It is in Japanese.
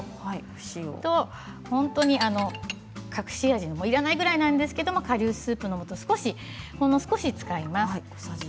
本当に隠し味に、いらないぐらいなんですがかりゅうスープのもとをほんの少し使います。